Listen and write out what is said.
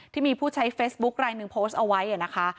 ที่มีผู้ใช้เฟซบุ๊คลายหนึ่งโพสต์เอาไว้นะคะ